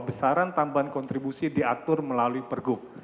besaran tambahan kontribusi diatur melalui per gup